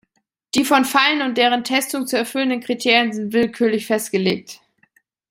Die von Fallen und deren Testung zu erfüllenden Kriterien sind willkürlich festgelegt.